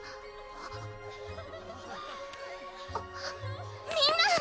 あっみんな！